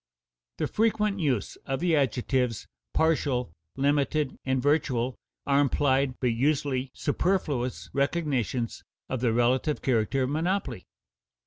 The frequent use of the adjectives partial, limited, and virtual are implied but usually superfluous recognitions of the relative character of monopoly.